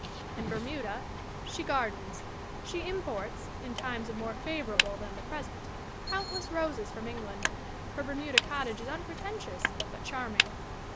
In Bermuda she gardens. She imports, in times more favorable than the present, countless roses from England. Her Ber muda cottage is unpretentious but charming.